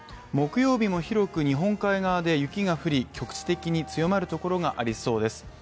木曜日も広く日本海側で雪が降り局地的に強まるところがありそうです。